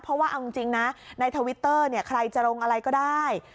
เพราะว่าเอาจริงนะในทวิตเตอร์เนี่ยใครจะลงอะไรก็ได้